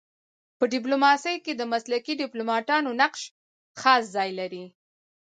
په ډيپلوماسی کي د مسلکي ډيپلوماتانو نقش خاص ځای لري.